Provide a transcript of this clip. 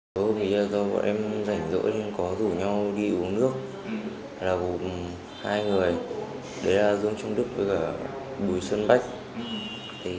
các đối tượng đã tụ tập nhau đi uống nước là hụp hai người đấy là dương trung đức với bùi sơn bách